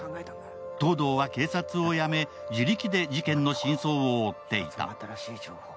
東堂は警察を辞め、自力で事件の真相を追っていた。